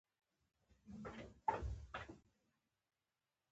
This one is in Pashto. د نورو ملکي خدماتو ملي ادارې هم یادولی شو.